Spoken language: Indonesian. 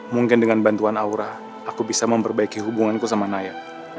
mungkin dengan bantuan aura aku bisa memperbaiki hubunganku sama naya